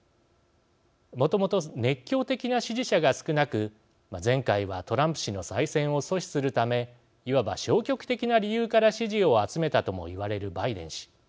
もともと熱狂的な支持者が少なく前回はトランプ氏の再選を阻止するためいわば消極的な理由から支持を集めたとも言われるバイデン氏。